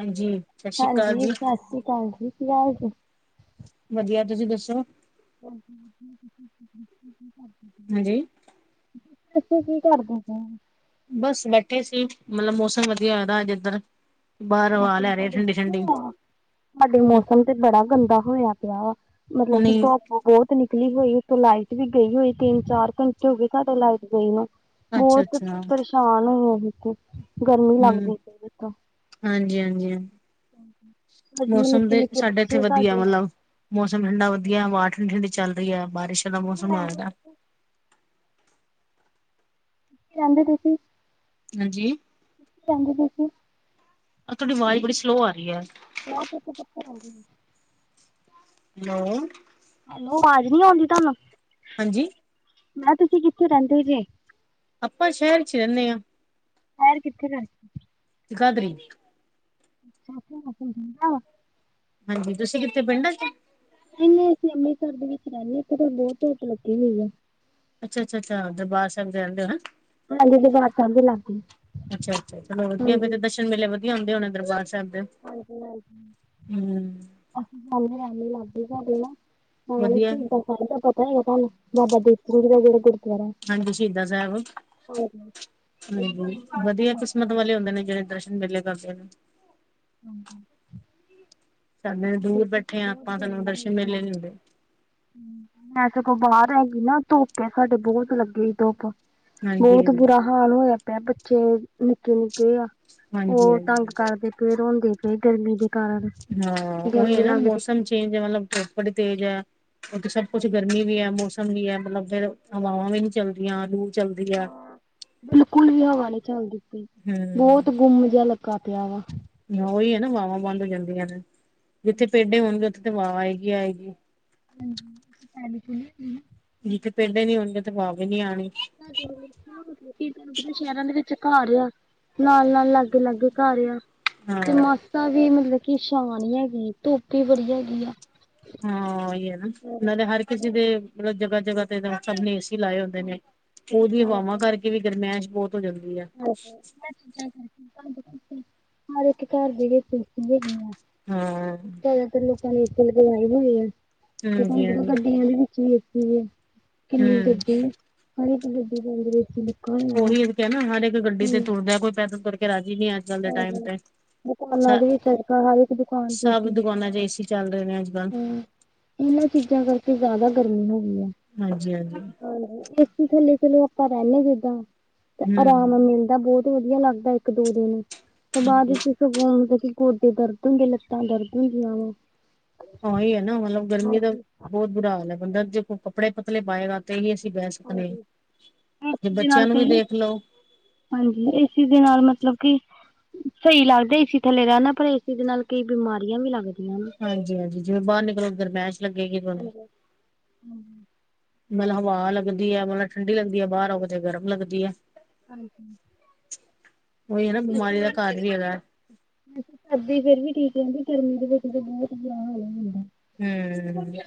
ਹਾਂਜੀ ਸਤਿ ਸ਼੍ਰੀ ਅਕਾਲ ਹਾਂਜੀ, ਜੀ ਸਾਸਰੀ ਕਾਲ ਜੀ, ਕੀ ਹਾਲ ਜੇ? ਵਧੀਆ, ਤੁਸੀਂ ਦੱਸੋ [unintelligible] ਹਾਂਜੀ। ਤੁਸੀ ਕੀ ਕਰਦੇ ਪਏ ਓ? ਬਸ ਬੈਠੇ ਸੀ, ਮਤਲਬ ਮੌਸਮ ਵਧੀਆ ਹੋਇਆ ਦਾ ਅੱਜ ਇਧਰ। ਬਾਹਰੋਂ ਹਵਾ ਲੈਰੇ ਆ ਠੰਡੀ, ਠੰਡੀ ਸਾਡੇ ਮੌਸਮ ਤੇ ਬੜਾ ਗੰਦਾ ਹੋਇਆ ਪਿਆ ਆ ਮਤਲਬ ਕਿ ਹੁਣੀ ਧੋਪ ਬੋਤ ਨਿਕਲੀ ਹੋਈ, ਉਤੋਂ ਲਾਈਟ ਵੀ ਗਈ ਹੋਈ ਤਿੰਨ, ਚਾਰ ਘੰਟੇ ਹੋਗੇ ਸਾਡੇ ਲਾਈਟ ਗਈ ਨੂੰ ਅੱਛਾ ਬੋਤ ਅੱਛਾ ਪਰੇਸ਼ਾਨ ਹੋਏ [unintelligible] ਗਰਮੀ ਹਮ ਲੱਗਦੀ ਪਈ ਏ ਤਾਂ ਹਾਂਜੀ, ਹਾਂਜੀ ਹਾਂ ਮੌਸਮ ਨਿੱਕੇ ਤੇ ਨਿੱਕੇ ਸਾਡੇ ਐਥੇ ਬੱਚੇ ਵਧੀਆ, ਸਾਡੇ ਮਤਲਬ ਮੌਸਮ ਠੰਡਾ ਵਧਦੀਆ ਹਵਾ ਠੰਡੀ- ਠੰਡੀ ਚੱਲ ਰੀਐ, ਬਾਰਿਸ਼ ਵਾਲਾ ਮੌਸਮ ਹੋਯਾ ਦਾ। ਕਿ ਕੈਂਦੇ ਤੁਸੀ? ਹਾਂਜੀ। ਤੰਗ ਤੁਸੀ। ਤੁਹਾਡੀ ਆਵਾਜ਼ ਬੜੀ ਸਲੋ ਆ ਰਹੀ ਐ। ਆਪ ਕੋ ਤੋ ਚੱਕਰ ਆਏਗੇ ਨਹੀ। ਹੈਲੋ, ਹੈਲੋ, ਆਵਾਜ਼ ਨੀ ਆਂਦੀ ਤਾਨੂੰ। ਹਾਂਜੀ। ਮੈਂ ਤੁਸੀ ਕਿੱਥੇ ਰੈਂਦੇ ਜੇ? ਅਪਾਂ ਸ਼ੈਰ ਚ' ਰੈਨੇ ਆਂ। ਸ਼ੈਰ ਕਿੱਥੇ ਘਰ? ਜਗਾਧਰੀ। [unintelligible] ਹਾਂਜੀ, ਤੁਸੀ ਕਿੱਥੇ ਪਿੰਡਾਂ ਚ'? ਨਈ- ਨਈ ਅਸੀ ਅੰਮ੍ਰਿਤਸਰ ਦੇ ਵਿੱਚ ਰੈਨੇ ਆਂ, ਐਥੇ ਤੇ ਬੋਤ ਧੋੱਪ ਲੱਗੀ ਹੋਈ ਆ। ਅੱਛਾ- ਅੱਛਾ- ਅੱਛਾ ਦਰਬਾਰ ਸੈਬ ਚ' ਰੈਂਦੇ ਓ ਨਾ। ਹਾਂਜੀ ਦਰਬਾਰ ਸਾਹਿਬ ਦੇ ਲਾਗੇ ਅੱਛਾ- ਅੱਛਾ ਚਲੋ ਵਦੀਐ, ਫੇਰ ਤੇ ਹਾਂਜੀ ਦਰਸ਼ਨ ਦਰਸ਼ਨ ਮੇਲੇ ਵਦੀਆ ਹੁੰਦੇ ਹੋਨੇ ਦਰਬਾਰ ਸਾਹਿਬ ਦੇ। ਹਾਂਜੀ- ਹਾਂਜੀ। ਹੂੰ ਅਸੀਂ ਸਮਣੇ- ਆਮਣੇ ਲੱਗੇ ਸਾਡੇ ਆ। ਨਾਲ ਵਧੀਆ ਸ਼ਹੀਦਾਂ ਸਾਰੇ ਦਾ ਪਤਾ ਹੈਗਾ ਤੁਹਾਨੂੰ, ਬਾਬਾ ਦੀਪ ਸਿੰਘ ਜੀ ਦਾ ਜਿਹੜਾ ਗੁਰਦੁਆਰਾ। ਹਾਂਜੀ ਸ਼ਹੀਦ ਸਾਹਿਬ। ਹਾਂਜੀ। ਵਧੀਆ ਕਿਸਮਤ ਵਾਲੇ ਹੁੰਦੇ ਨੇ ਜਿਹੜੇ ਦਰਸ਼ਨ ਮੇਲੇ ਕਰਦੇ ਨੇ। ਸਾਡੇ ਦੂਰ ਬੈਠੇ ਹਾਂ ਬਹੁਤ ਆਪਾਂ ਸਾਨੂੰ ਗਰਮੀ ਹੋਈ ਦਰਸ਼ਨ ਮੇਲੇ ਨ ਸੀ। ਹੁੰਦੇ। ਮੈਂ ਸੋਂਗ ਕੋਲ ਬਾਹਰ ਆਗੀ ਨਾ ਧੁੱਪ ਹੈ ਸਾਡੇ ਬਹੁਤ ਲੱਗੇ ਸੀ ਧੁੱਪ। ਹਾਂਜੀ ਬਹੁਤ ਬੁਰਾ ਹਾਲ ਹੋਇਆ ਪਿਆ ਬੱਚੇ ਨਿੱਕੇ-ਨਿੱਕੇ ਆ। ਬਹੁਤ ਹਾਂਜੀ-ਹਾਂਜੀ ਤੰਗ ਕਰਦੇ ਪਏ ਰੋਂਦੇ ਪਏ ਗਰਮੀ ਦੇ। ਕਾਰਨ ਹਾਂ। ਉਹੀ ਹੈ ਗਰਮੀ ਨਾ ਲੱਗਦੀ ਮੌਸਮ ਪਈ। ਚੇਂਜ ਮਤਲਬ ਧੁੱਪ ਬੜੀ ਤੇਜ਼ ਹੈ, ਉੱਥੇ ਸਭ ਕੁੱਛ ਗਰਮੀ ਵੀ ਹੈ ਮੌਸਮ ਵੀ ਹੈ, ਮਤਲਬ ਫੇਰ ਹਵਾਵਾਂ ਵੀ ਨੀ ਚੱਲਦੀਆਂ। ਲੂ ਚਲਦੀ ਆ। ਬਿਲਕੁਲ ਵੀ ਹਵਾ ਨੀ ਚੱਲਦੀ ਪਈ। ਬਹੁਤ ਹੂੰ ਗੁੰਮ ਜਿਹਾ ਲੱਗਾ ਪਿਆ ਵਾ‌। ਉਹੀ ਹੈ ਨਾ ਵਾਹਵਾਂ ਬੰਦ ਹੋ ਜਾਂਦੀਆਂ ਨੇ, ਜਿੱਥੇ ਪੇਡੇ ਹੋਣਗੇ ਉੱਥੇ ਤਾਂ ਵਾਹਵਾ ਹੈਗੀ ਆਏਗੀ। ਹਾਂਜੀ। ਜਿੱਥੇ ਪੇਡੇ ਨੀ ਹੁੰਦੇ ਉਧੇ ਵਾਹ ਵੀ ਨੀ ਆਣੀ। [unintelligible] ਦੋ ਕੀ ਤੁਹਾਨੂੰ ਪ ਸ਼ਹਿਰਾਂ ਦੇ ਵਿੱਚ ਘਰ ਆ, ਨਾਲ- ਨਾਲ, ਲਾਗੇ- ਲਾਗੇ ਘਰ ਆ। ਹਾਂ। ਤੇ ਮਾਸਾ ਵੀ ਮਤਲਬ ਕੀ ਸ਼ਾਨ ਹੈਗੀ, ਧੁੱਪ ਵੀ ਬੜੀ ਹੈਗੀ ਹੈ। ਹਾਂ ਉਹੀ ਨਾ, ਨਾਲੇ ਹਰ ਕਿਸੇ ਦੇ ਮਤਲਬ ਜਗ੍ਹਾ ਜ੍ਹਾ ਸਭ ਨੇ ਏਸੀ ਲਾਏ ਹੁੰਦੇ ਨੇ, ਉਹਦੀ ਹਵਾਵਾਂ ਕਰਕੇ ਵੀ ਗਰਮੈਸ਼ ਬਹੁਤ ਹੋ ਜਾਂਦੀ ਹੈ। ਚੀਾਂ [unintelligible] ਕਰਕੇ ਹਰ ਇੱਕ ਘਰ ਦੇ ਵੀ ਸਤੀ ਹੈਗੀ ਆ ਹਾਂ। ਫੇਰ ਲੋਕਾਂ ਦੇ ਏ ਹੋਏ ਆ, ਤੇ ਹੁਣ ਹਾਂਜੀ ਜਦੋਂ ਹਾਂਜੀ ਗੱਡੀਆਂ ਦੇ ਵਿੱਚ ਵੀ ਏਸੀ ਹੈ। ਕਿੰਨੀ ਹਮ। ਗੱਡੀ, ਹਰ ਇੱਕ ਗੱਡੀਵਿੱਚ ਏਸੀ ਚੱਲਦੀ ਲਗਾ ਹੋਆ ਵਾ। ਕਹਿ ਨਾ ਹਰ ਇੱਕ ਗੱਡੀ ਤੇ ਹਾਂਜੀ। ਤੁਰਦੇ, ਕੋਈ ਪੈਦਲ ਤੁਰ ਕਰਕੇ ਰਾਜੀ ਨੀ ਅੱਜ ਕੱਲ ਦੇ ਟਾਈਮ ਤੇ। ਸ ਦੁਕਾਨਾਂ ਦੀ ਵੀ ਚ ਹਰ ਇੱਕ ਦੁਕਾਨ ਸਭ ਤੇਜੀ ਲੋਕਾਂ ਦੁਕਾਨਾਂ ਨੇ ਚ ਏਸੀ ਚੱਲ ਰਹੇ ਨੇ ਅੱਜ ਕੱਲ ਹੂੰ। ਇਹਨਾਂ ਚੀਜ਼ਾਂ ਕਰਕੇ ਜ਼ਿਆਦਾ ਗਰਮੀ ਹੋ ਗਈ ਆ। ਹਾਂਜੀ-ਹਾਂਜੀ। ਹਾਂਜੀ ਏਸੀ ਥੱਲੇ ਚਲੋ ਆਪਾਂ ਰਹਿੰਦੇ ਜਿੱਦਾਂ ਤੇ ਹਮ ਆਰਾਮ ਮਿਲਦਾ ਬਹੁਤ ਵਧੀਆ ਲੱਗਦਾ ਇੱਕ ਦੋ ਦਿਨ ਤੇ ਬਾਅਦ ਹਾਂਜੀ ਵਿੱਚ ਸਗੋਂ ਹੁੰਦਾ ਕਿ ਗੋਡੇ ਦਰਦ ਹੁੰਦੇ ਲੱਤਾਂ ਦਰਦ ਹੁੰਦੀਆਂ ਵਾ। ਉਹੀ ਐ ਨਾ ਮਤਲਬ ਗਰਮੀ ਦਾ ਹਾਂਜੀ ਬਹੁਤ ਬੁਰਾ ਹਾਲ ਐ ਬੰਦਾ ਜੇ ਕੋਈ ਕੱਪੜੇ ਪਤਲੇ ਪਾਏਗਾ ਤੇ ਹੀ ਅਸੀਂ ਬਹਿ ਸਕਦੇ ਆ ਹਾਂਜੀ ਜੇ ਏਸੀ ਦੇ ਬੱਚਿਆਂ ਨਾਲ ਨੂੰ ਵੀ ਕਈ ਦੇਖ ਲੋ। ਹਾਂਜੀ ਇਸੀ ਦੇ ਨਾਲ ਮਤਲਬ ਕਿ ਸਹੀ ਲੱਗਦਾ ਏਸੀ ਥੱਲੇ ਰਹਿਣਾ ਪਰ ਏਸੀ ਦੇ ਨਾਲ ਕਈ ਬਿਮਾਰੀਆਂ ਵੀ ਲੱਗਦੀਆਂ। ਨੇ ਹਾਂਜੀ-ਹਾਂਜੀ, ਜਿਵੇਂ ਬਾਹਰ ਨਿਕਲੋ ਗਰਮੈਸ਼ ਲੱਗੇਗੀ ਤੁਹਾਨੂੰ। ਹੂੰ। ਮਤਲਬ ਹਵਾ ਲੱਗਦੀ ਐ, ਮਤਲਬ ਠੰਡੀ ਲੱਗਦੀ ਐ ਬਾਹਰ ਆ ਤੇ ਗਰਮ ਲੱਗਦੀ ਐ। ਓਹੀ ਆ ਹਨਾ ਬਿਮਾਰੀ ਦਾ ਘਰ ਵੀ ਹੈਗਾ। ਸਰਦੀ ਫੇਰ ਵੀ ਠੀਕ ਰਹਿੰਦੀ। ਗਰਮੀ ਦੇ ਵਿੱਚ ਤਾਂ ਬਹੁਤ ਬੁਰਾ ਹਾਲ ਹੋਇਆ ਹੁੰਦਾ। ਹੂੰ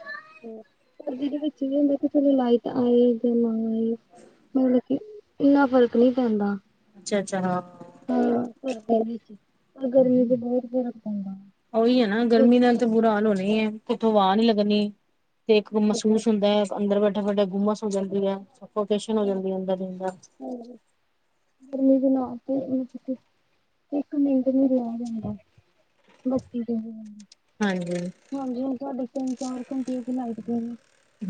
ਸਰਦੀ ਦੇ ਵਿੱਚ ਇਹ ਹੁੰਦਾ ਕਿ ਚਲੋ ਲਾਈਟ ਆਏ ਜਾਂ ਨਾ ਆਏ। ਮਤਲਬ ਕਿ ਇੰਨਾ ਫ਼ਰਕ ਨਈਂ ਪੈਂਦਾ। ਅੱਛਾ ਅੱਛਾ। ਹਾਂ। ਹਾਂ ਵਿੱਚ ਪਰ ਗਰਮੀ ਚ, ਗਰਮੀ ਚ ਬੋਤ ਫ਼ਰਕ ਪੈਂਦਾ। ਓਹੀ ਐ ਨਾ ਗ ਗਰਮੀ ਨਾਲ ਤੇ ਬੁਰਾ ਹਾਲ ਹੋਣਾ ਐ ਕਿੱਥੋਂ ਵਾਅ ਨੀਂ ਲੱਗਣੀ। ਇਕ ਮਸੂਸ ਹੁੰਦਾ ਐ ਅੰਦਰ ਵੇਠੈ-ਵੇਠੈ ਗੂੰਮਸ ਹੋ ਜਾਂਦੀ ਐ, ਸਫੋਕੇਸ਼ਨ ਹੋ ਜਾਂਦੀ ਐ ਅੰਦਰ-ਅੰਦਰ। ਗਰਮੀ ਦੇ ਨਾਲ ਤੇ ਮਤਲਬ ਕਿ ਇੱਕ ਮਿੰਟ ਨਹੀ ਰਿਹਾ ਜਾਂਦਾ। ਬਾਕੀ [unintelligible] ਹਾਂਜੀ। ਹਾਂਜੀ ਹੁਣ ਤੁਹਾਡੇ ਤਿੰਨ ਚਾਰ ਘੰਟੇ ਹੋ ਗਏ ਲਾਈਟ ਗਏ ਨੂੰ।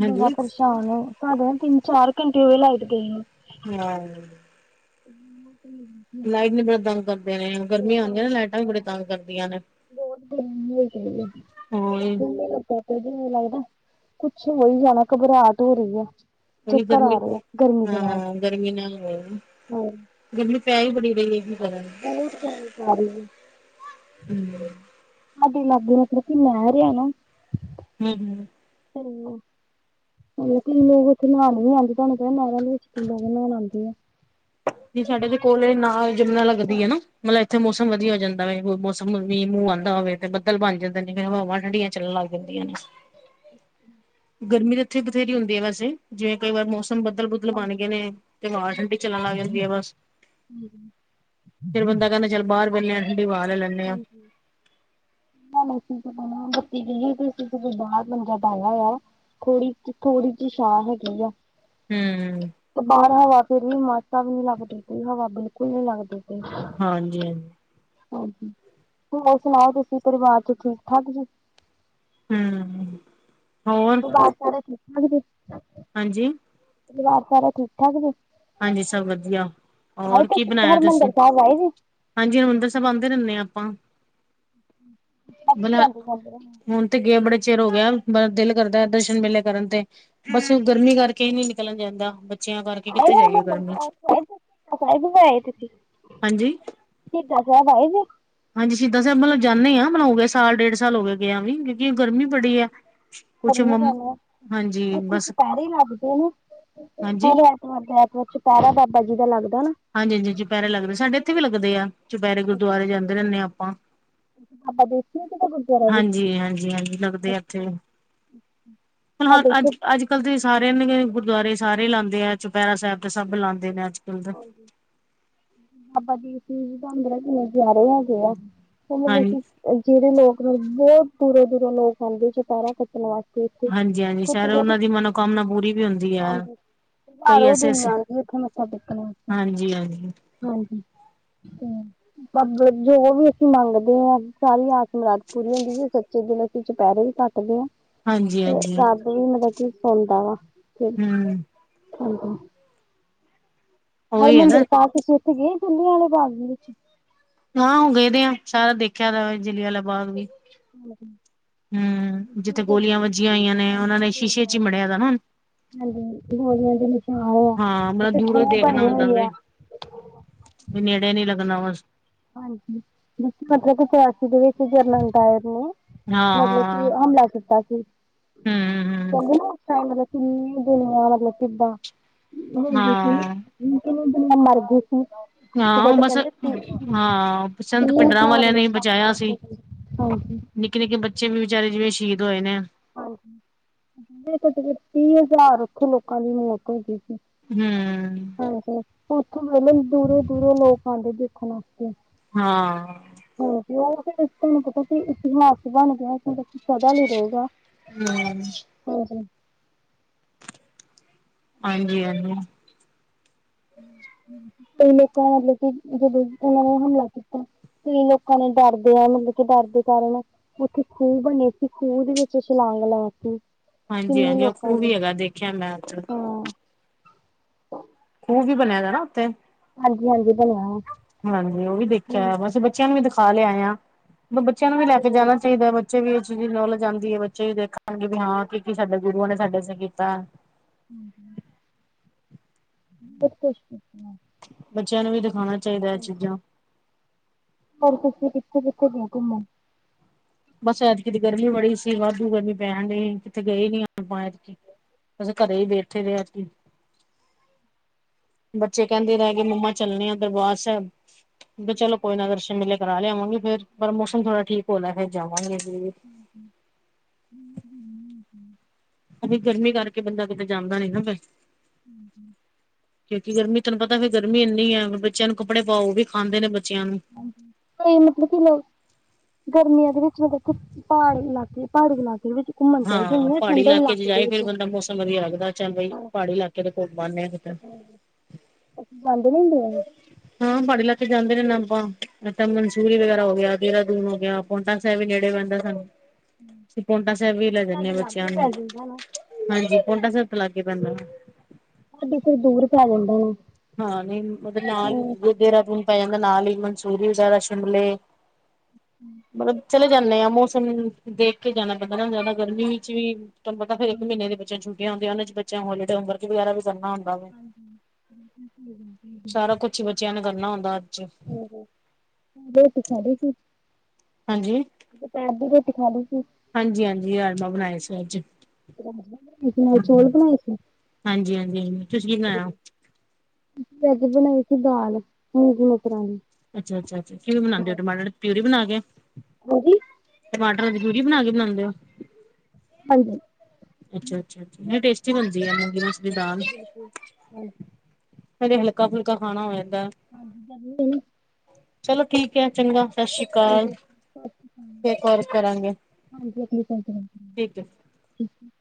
ਬੜਾ ਪਰੇਸ਼ਾਨ ਸਾਡੇ ਨਾ ਤਿੰਨ ਚਾਰ ਘੰਟੇ ਹੋ ਗਏ ਲਾਈਟ ਗਏ ਨੂੰ। [unintelligible] [unintelligible] ਲਾਈਟ ਵੀ ਬੜਾ ਤੰਗ ਕਰਦੇ ਨੇ ਗਰਮੀਆਂ ਹੁੰਂਦੀਆਂ ਨੇ ਲਾਈਟਾਂ ਵੀ ਬੜੇ ਤੰਗ ਕਰਦੀਆਂ ਨੇ। [inaudible] ਜਿਵੇ ਹੋਰ ਲੱਗਦਾ ਕੁੱਛ ਹੋ ਈ ਜਾਣਾ ਘਬਰਾਟ ਹੋ ਰੀ ਆ। ਐਨੀ ਗਰਮੀ ਰਹੇ ਗਰਮੀ ਦੇ ਨਾਲ ਹਾਂ ਗਰਮੀ ਨਾ ਹੋ ਗਰਮੀ ਪੈ ਹੀ ਬੜੀ ਰਹੀ ਆ ਕੀ ਕਰਾਂ ਬਹੁਤ ਗਰਮੀ ਪੈ ਰਹੀ ਹੈ ਹੂੰ। ਸਾਡੇ ਲਾਗੇ ਮਤਲਬ ਕਿ ਨਹਿਰ ਆ ਨਾ। ਹੂੰ ਹੂੰ। ਹੈਲੋ। ਮਤਲਬ ਕਈ ਲੋਕ ਉੱਥੇ [unintelligible] ਨਹਾਉਣੇ ਵੀ ਆਉਂਦੇ ਤੁਹਾਨੂੰ ਪਤਾ ਨਹਿਰ ਦੇ ਵਿੱਚ ਕਈ ਲੋਕ ਨਹਾਉਣ ਆਉਂਦੇ ਆ। ਨੀ ਸਾਡੇ ਦੇ ਕੋਲ ਨਾ ਜਮਨਾ ਲੱਗਦੀ ਐ ਨਾ ਮਤਲਬ ਉੱਥੇ ਮੌਸਮ ਵਧੀਆ ਹੋ ਜਾਂਦਾ ਵੇ ਮੌਸਮ ਵੀ ਮੀਂਹ ਮੂੰਹ ਆਂਦਾ ਹੋਵੇ ਤੇ ਬੱਦਲ ਬਣ ਜਾਂਦੇ ਨੇ ਫਿਰ ਹਵਾਵਾਂ ਠੰਡੀਆਂ ਚੱਲਣ ਲੱਗ ਜਾਂਦੀਆਂ ਨੇ। ਅੱਛਾ, ਗਰਮੀ ਤਾਂ ਇੱਥੇ ਬਥੇਰੀ ਹੁੰਦੀ ਐ ਵੈਸੇ ਜਿਵੇਂ ਕਈ ਵਾਰ ਮੌਸਮ ਬਦਲ ਬੁਦਲ ਬਣ ਗਏ ਨੇ ਤੇ ਹਵਾਂ ਠੰਡੀ। ਲੱਗ ਜਾਂਦੀ ਆ ਬਸ ਫਿਰ ਬੰਦਾ ਕਹਿੰਦਾ ਚੱਲ ਬਾਹਰ ਬਹਿਣੇ ਆ ਠੰਡੀ ਹਵਾ ਲੈ ਲੈਂਦੇ ਆ। ਹੂੰ, [unintelligible] ਤੇ ਅਸੀਂ ਮੰਜਾ ਡਾਇਆ ਆ। ਥੋੜੀ ਥੋੜੀ ਜੀ ਛਾਂ ਹੈਗੀ ਆ। ਹੂੰ, ਬਾਹਰ ਹਵਾ ਫੇਰ ਵੀ ਮਾਸਾ ਵੀ ਨੀ ਲੱਗਦੀ ਪਈ ਹਵਾ ਬਿਲਕੁਲ ਨੀ ਲੱਗਦੀ ਪਈ। ਹਾਂਜੀ ਹਾਂਜੀ। ਹਾਂਜੀ ਹੋਰ ਸੁਣਾਓ ਤੁਸੀਂ ਪਰਿਵਾਰ ਚ ਠੀਕ ਠਾਕ ਜੀ। ਹੂੰ। ਹੋਰ ਘਰ ਸਾਰੇ ਠੀਕ ਠਾਕ ਜੀ। ਹਾਂਜੀ। ਪਰਿਵਾਰ ਸਾਰਾ ਠੀਕ-ਠਾਕ ਜੇ? ਹਾਂਜੀ ਸਭ ਵਧੀਆ, ਔਰ ਕੀ ਬਣਾਇਆ ਤੁਸੀਂ? ਹਾਂਜੀ ਹਰਿਮੰਦਰ ਸਾਹਿਬ ਆਉਂਦੇ ਰਹਿੰਨੇ ਆਪਾਂ। ਬਲਾ ਹੁਣ ਤੇ ਗਏ ਬੜੇ ਚਿਰ ਹੋ ਗਿਆ, ਬ ਦਿਲ ਕਰਦਾ ਦਰਸ਼ਨ ਮੇਲੇ ਕਰਨ ਤੇ ਬਸ ਹੁ ਗਰਮੀ ਕਰਕੇ ਕਿ ਨੀ ਨਿਕਲਿਆ ਜਾਂਦਾ, ਬੱਚਿਆਂ ਕਰਕੇ ਕਿੱਥੇ ਜਾਈਏ ਗਰਮੀ 'ਚ। ਕਿਥੇ ਆਏ ਤੁਸੀਂ, ਹਾਂਜੀ ਸ਼ਹੀਦਾਂ ਸਾਹਿਬ ਆਏ ਜੇ। ਹਾਂਜੀ ਸ਼ਹੀਦਾਂ ਸਾਹਿਬ ਮਤਲਬ ਜਾਂਨੇ ਆ, ਮੇਨੂ ਹੋ ਗਿਆ ਸਾਲ ਡੇਢ ਸਾਲ ਹੋ ਗਿਆ, ਗਿਆਂ ਵੀ ਕਿਉਂਕਿ ਗਰਮੀ ਬੜੀ ਆ। ਕਰਨੇ ਈ ਪੈਣੇ ਆ, ਉਥੇ ਚੁਪਹਿਰੇ ਲੱਗਦੇ ਨੇ, ਹਾਂਜੀ ਹੈਲੋ ਹਰ ਐਤਵਾਰ ਚੁਪਹਿਰਾ ਬਾਬਾ ਜੀ ਦਾ ਲੱਗਦਾ ਨਾ। ਹਾਂਜੀ-ਹਾਂਜੀ ਚੁਪਹਿਰੇ ਲੱਗਦੇ, ਸਾਡੇ ਇੱਥੇ ਵੀ ਲੱਗਦੇ ਆ ਚੁਪਹਿਰੇ, ਗੁਰਦੁਆਰੇ ਜਾਂਦੇ ਰਹਿਨੇ ਆਪਾਂ। ਬਾਬਾ ਦੇਖ ਕਿਤੇ ਗੁਰਦੁਆਰਾ ਵੀ ਹਾਂਜੀ, ਹਾਂਜੀ- ਹਾਂਜੀ ਲੱਗਦੇ ਆ ਅੱਛਾ ਇੱਥੇ ਫੁਣਾ ਸਾਡੇ ਅੱਜ-ਅੱਜ ਇੱਥੇ ਅੱਜ-ਕੱਲ੍ਹ ਦੇ ਸਾਰੇਆਂ ਨੇ, ਗੁਰਦੁਆਰੇ ਸਾਰੇ ਲਾਂਦੇ ਆ, ਚੁਪਹਿਰਾ ਸਾਹਿਬ ਤੇ ਸਭ ਲਾਂਦੇ ਨੇ ਅੱਜ-ਕੱਲ੍ਹ ਦੇ। ਬਾਬਾ ਜੀ ਦੀ [unintelligible] ਕਿੰਨੇ ਪਿਆਰੇ ਹੈਗੇ ਆ। ਹਾਂ ਮਤਲਬ ਅਸੀਂ ਜਿਹੜੇ ਲੋਕ ਮਤਲਬ, ਬਹੁਤ ਦੂਰੋਂ-ਦੂਰੋਂ ਲੋਕ ਆਉਂਦੇ ਚੁਪਿਹਰਾ ਕੱਟਣ ਵਾਸਤੇ। ਇੱਥੇ ਹਾਂਜੀ-ਹਾਂਜੀ ਸ਼ੈਦ ਘੱਟੋ ਘੱਟ ਉਹਨਾਂ ਦੀ ਮਨੋਕਾਮਨਾ ਪੂਰੀ ਵੀ ਹੁੰਦੀ ਆ। ਹਾਰ ਉਹ ਦਿਨ ਆਣਦੀ, ਉੱਥੇ ਮੱਥਾ ਟੇਕਣ ਉੇ ਹਾਂਜੀ ਹਾਂਜੀ ਹਾਂਜੀ ਤੇ ਜੋ ਵੀ ਅਸੀਂ ਮੰਗਦੇ ਆ, ਸਾਰੀ ਅ ਮੁਰਾਦ ਪੂਰੀ ਹੁੰਦੀ ਏ, ਸੱਚੇ ਦਿਲੋ ਅਸੀਂ ਚੁਪਹਿਰੇ ਵੀ ਕੱਟਦੇ ਆ। ਹਾਂਜੀ ਤੇ ਹਾਂਜੀ ਰਾਤ ਏ ਵੀ ਮਤਲਬ, ਕੋਈ ਸੁਣਦਾ ਵਾ ਫਿਰ, ਹਮ ਹਾਂਜੀ। ਉਹੀ ਹੈ ਹਰਮੰਦਰ ਨਾ ਸਾਬ ਤੁਸੀਂ ਉੱਥੇ ਗਏ, ਜਲਿਆਂ ਆਲੇ ਬਾਗ ਦੇ ਵਿੱਚ? ਨਾ, ਹੋ ਗਏ ਦੇ ਆ, ਸਾਰਾ ਦੇਖਿਆ ਦਾ ਜਿਲਿਆ ਆਲਾ ਬਾਗ ਵੀ। ਹਮ। ਹੂੰ, ਜਿੱਥੇ ਗੋਲੀਆਂ ਵੱਜੀਆਂ ਹੋਈਆਂ ਨੇ, ਉਹਨਾਂ ਨੇ ਸ਼ੀਸ਼ੇ 'ਚ ਈ ਮੜਿਆ ਦਾ ਹੁਣ। ਹਾਂਜੀ, ਹੋਰ ਨੇੜੇ ਨਈ ਹਾਂ, ਮਲਬ ਦੂਰੋਂ ਈ ਦੇਖਣਾ ਹੁੰਦਾ ਆ ਵੇ, ਵੀ ਨੇੜੇ ਨੀ ਲੱਗਣਾ ਬਸ। ਹਾਂਜੀ, ਜਦੋਂ ਮਤਲਬ ਕਿ ਚਰਾਸੀ ਦੇ ਵਿੱਚ ਜਰਨਲ ਡਾਇਰ ਨੇ ਹਾਂ ਮਤਲਬ ਕੀ, ਹਾਂ ਹਮਲਾ ਕੀਤਾ ਸੀ। ਹਮ ਹਮ ਕਹਿੰਦੇ ਨੇ ਅੱਛਾ, ਮਤਲਬ ਕਿੰਨੀ ਦੁਨੀਆਂ ਮਤਲਬ ਕਿਦਾਂ ਹੋਰ ਸੀਨ ਹਾਂ ਦੇਖੋ ਕੇ ਮੈਂ ਮਰ ਗੀ। ਹਾਂ ਉਹ ਬਸ, ਹਾਂ। ਸੰਤ ਭਿੰਡਰਾਂ ਵਾਲਿਆਂ ਨੇ ਈ ਬਚਾਇਆ ਸੀ। ਹਾਂਜੀ ਨਿੱਕੇ-ਨਿੱਕੇ ਬੱਚੇ ਵੀ ਵਿਚਾਰੇ, ਜਿਵੇਂ ਸ਼ਹੀਦ ਹੋਏ ਨੇ ਹਾਂਜੀ ਜਿਥੋਂ ਤਕ, ਤੀਹ ਹਜ਼ਾਰ ਓਥੇ ਲੋਕਾਂ ਦੀ ਮੌਤ ਹੋ ਗੀ ਸੀ। ਹੂ। ਹਾਂਜੀ ਉੱਥੋਂ ਮਤਲਬ ਦੂਰੋਂ-ਦੂਰੋਂ ਲੋਕ ਆਉਂਦੇ ਦੇਖਣ ਵਾਸਤੇ। ਹਾਂ। ਹਾਂਜੀ, ਉਹ ਫਿਰ ਤੁਹਾਨੂੰ ਪਤਾ ਸੀ, ਇਤਿਹਾਸ ਬਣ ਗਿਆ, ਸਦਾ ਲਈ ਰਹੇਗਾ। ਹੂੰ। ਹਾਂਜੀ। ਹਾਂਜੀ-ਹਾਂਜੀ। ਕਈ ਲੋਕਾਂ ਮਤਲਬ ਕਿ, ਜਦੋਂ ਉਹਨਾਂ ਨੇ ਹਮਲਾ ਕੀਤਾ ਕਈ ਲੋਕਾਂ ਨੇ ਡਰਦਿਆਂ ਨੇ, ਮਤਲਬ ਕਿ ਡਰ ਦੇ ਕਾਰਨ ਉੱਥੇ ਖੂਹ ਬਣੇ ਸੀ, ਖੂਹ ਦੇ ਵਿੱਚ ਛਲਾਂਗ ਲਗਾਤੀ। ਹਾਂਜੀ ਕਿੰਨੇ ਹਾਂਜੀ ਉਹ ਲੋਕਾਂ ਖੂਹ ਦੇ ਵੀ ਹੈਗਾ ਦੇਖਿਆ ਮੈਂ ਉੱਥੇ ਹਾਂ। ਖੂਹ ਵੀ ਬਣਿਆ ਦਾ ਨਾ ਉੱਥੇ। ਹਾਂਜੀ ਹਾਂਜੀ ਬਣਿਆਂ ਵਾ। ਹਾਂਜੀ ਉਹ ਵੀ ਦੇਖਿਆ। ਅਸੀਂ ਬੱਚਿਆਂ ਨੂੰ ਵੀ ਦਿਖਾ ਲਿਆ ਆ। ਬੱਚਿਆਂ ਨੂੰ ਵੀ ਲੈਕੇ? ਜਾਣਾ ਚਾਹੀਦਾ। ਬੱਚੇ ਵੀ ਇਹ ਚੀਜ਼ ਨੌਲੇਜ ਆਂਦੀ ਆ। ਬੱਚੇ ਵੀ ਦੇਖਣਗੇ ਕੀ ਹਾਂ ਕੀ ਕੀ ਸਾਡੇ ਗੁਰੂਆਂ ਨੇ ਸਾਡੇ ਵਾਸਤੇ ਕੀਤਾ। [inaudible] ਬਹੁਤ ਅੱਛਾ ਸੀ। ਬੱਚਿਆਂ ਨੂੰ ਵੀ ਦਿਖਾਣਾ ਹੋਰ ਤੁਸੀਂ ਕਿੱਥੇ ਕਿੱਥੇ ਘੁੰਮੋ। ਬਸ ਐਤਕੀ ਤੇ ਗਰਮੀ ਬੜੀ ਸੀ। ਵਾਧੂ ਗਰਮੀ ਪੈਣਂ ਡੀ ਕਿਤੇ ਗਏ ਨੀ ਐਤਕੀ। ਅਸੀਂ ਘਰੇ ਹੀ ਬੈਠੇ ਰਹੇ ਐਤਕੀ। ਬੱਚੇ ਕਹਿੰਦੇ ਰਹਿ ਗਏ ਮੰਮਾ ਚੱਲਣੇ ਆ ਦਰਬਾਰ ਸਾਹਿਬ। ਵੀ ਚਲੋ ਕੋਈ ਨਾ ਦਰਸ਼ਨ ਮਿਲੇ ਕਰਾ ਲਿਆਵਾਂਗੇ ਫ਼ਿਰ। ਪਰ ਮੌਸਮ ਥੋੜਾ ਠੀਕ ਹੋ ਲੈ ਫਿਰ ਜਾਵਗੇ ਜਰੁਰ। [inaudible] ਅਜੇ ਗਰਮੀ ਕਰਕੇ। ਬੰਦਾ ਕਿਤੇ ਜਾਂਦਾ ਨੀ ਨਾ ਫਿਰ। ਹਂ, ਹਂ। ਕਿਉਂਕਿ ਗਰਮੀ ਤਹਾਨੂੰ ਪਤਾ ਫਿਰ ਗਰਮੀ ਇੰਨੀ ਆ। ਬੱਚਿਆਂ ਨੂੰ ਕੱਪੜੇ ਪਾਓ। ਉਹ ਵੀ ਖਾਂਦੇ ਨੇ ਬੱਚਿਆਂ ਨੂੰ। ਕੋਈ ਮਤਲਬ ਕਿ ਲੋਕ। ਗਰਮੀਆਂ ਦੇ ਵਿੱਚ ਵੀ ਦੇਖੋ। ਪਹਾੜ ਇਲਾਕੇ ਪਹਾੜੀ ਇਲਾਕਿਆਂ ਦੇ ਵਿੱਚ। ਘੁੰਮਣ ਚਲੇ ਹਾਂ ਜਾਂਦੇ ਨੇ ਪਹਾੜੀ ਠੰਡੇ ਇਲਾਕੇ ਚ ਦੇ ਜਾਏ। ਫੇਰ ਵਿੱਚ ਬੰਦਾ ਮੌਸਮ ਵਧੀਆ ਲੱਗਦਾ। ਚੱਲ ਬਈ ਪਹਾੜੀ ਇਲਾਕੇ ਦੇ ਕੋਲ ਬਾਹਨੇ ਆਏ ਕਿਤੇ। ਬੰਦ ਨੀਂ ਹੁੰਦੇ ਆ। ਹਾਂ ਪਹਾੜੀ ਇਲਾਕੇ ਜਾਂਦੇ ਨੇ ਰਹੋਂਦੇ ਹਾਂ ਆਪਾਂ। ਜਿਸ ਤਰਾਂ ਮਨਸੂਰੀ ਵਗੈਰਾ ਹੋ ਗਿਆ, ਦੇਹਰਾਦੂਨ ਹੋ ਗਿਆ। ਪੋਂਟਾ ਸਾਹਿਬ ਵੀ ਨੇੜੇ ਪੈਂਦਾ ਐ ਸਾਨੂੰ। ਅਸੀਂ ਪੋਂਟਾ ਸਾਹਿਬ ਵੀ ਲੈ ਜਾਂਦੇ ਆ ਸਾਡੇ ਬੱਚਿਆਂ ਲਾਗੇ ਨੂੰ। ਪੈ ਜਾਂਦਾ ਨਾ ਹਾਂਜੀ ਪੋਂਟਾ ਸਾਹਿਬ ਤੇ ਲਾਗੇ ਪੈਂਦਾ। ਸਾਡੇ ਇਥੋ ਦੂਰ ਪੈ ਜਾਂਦਾ ਨਾ। ਹਾਂ ਨਹੀਂ ਮਤਲਬ ਨਾਲ ਹੀ ਡੇਰਾ ਦੂਣ ਪੈ ਜਾਂਦਾ ਨਾਲ ਹੀ ਮਨਸੂਰੀ ਵਗ਼ੈਰਾ ਸ਼ਿਮਲੇ, ਮਤਲਬ ਚਲੇ ਜਾਣੇ ਆ ਮੌਸਮ ਦੇਖ ਕੇ ਜਾਣਾ ਪੈਂਦਾ ਨਾ ਜ਼ਿਆਦਾ ਗਰਮੀ ਵਿੱਚ ਵੀ, ਤੁਹਾਨੂੰ ਪਤਾ ਫਿਰ ਇੱਕ ਮਹੀਨੇ ਦੀ ਬੱਚਿਆਂ ਨੂੰ ਛੱਟੀਆਂ ਹੁੰਦੀਆਂ ਉਹਨਾਂ ਵਿੱਚ ਬੱਚੇ ਹੋਰ ਲੀੜੇ ਹੋਮਵਰਕ ਵੀ ਕਰਨਾ ਹੁੰਦਾ। ਵਾ ਹੂੰ ਠੀਕ ਆ। ਸਾਰਾ ਕੁਛ ਹੀ ਬੱਚਿਆਂ ਨੂੰ ਕਰਨਾ ਹੁੰਦਾ ਅੱਜ, ਹੂੰ ਹੂੰ। ਬਹੁਤ [unintelligible] ਸੀ, ਹਾਂਜੀ, ਦੁਪਹਿਰ ਦੀ ਰੋਟੀ ਖਾਲੀ ਸੀ, ਹਾਂਜੀ ਹਾਂਜੀ ਰਾਜਮਾਂ ਬਣਾਏ ਸੀ ਅੱਜ, ਨਾਲ ਚੌਲ ਬਣਾਏ ਸੀ ਹਾਂਜੀ ਹਾਂਜੀ ਤੁਸੀਂ ਕੀ ਬਣਾਇਆ। ਅਸੀਂ ਅੱਜ ਬਣਾਈ ਸੀ ਦਾਲ ਮੂੰਗੀ ਮਸਰਾਂ ਦੀ। ਅੱਛਾ ਅੱਛਾ ਅੱਛਾ ਕਿਵੇਂ ਬਣਾਂਦੇ [unintelligible] ਪਿਊਰੀ ਬਣਾ ਕੇ, ਹਾਂਜੀ। ਟਮਾਟਰਾਂ ਦੀ [unintelligible] ਬਣਾ ਕੇ ਬਣਾਂਦੇ ਹੋ, ਹਾਂਜੀ। ਅੱਛਾ ਅੱਛਾ, ਨਹੀਂ ਟੇਸਟੀ ਬਣਦੀ ਆ ਨੇ ਜਿਵੇਂ, ਦਾਲ ਹਾਂਜੀ ਕਦੇ ਹਲਕਾ ਫੁਲਕਾ ਖਾਣਾ ਹੋ ਜਾਂਦਾ, ਹਾਂਜੀ। ਚਲੋ ਠੀਕ ਐ ਚੰਗਾ ਸਤਿ ਸ੍ਰੀ ਅਕਾਲ ਫੇਰ ਕਾਲ ਕਰਾਂਗੇ, ਹਾਂਜੀ ਠੀਕ ਹੈ। [unintelligible]